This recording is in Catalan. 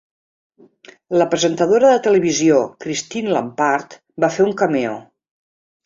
La presentadora de televisió Christine Lampard va fer un cameo.